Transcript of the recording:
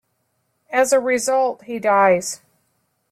As a result, he dies.